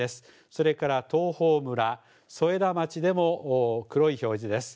それから東峰村、添田町でも黒い表示です。